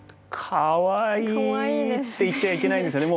かわいいですね。って言っちゃいけないんですよね。